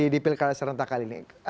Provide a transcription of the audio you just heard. di pilkara serentakal ini